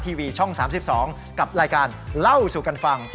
ทีวีช่องสามสิบสองกับรายการเล่าสู่กันฟัง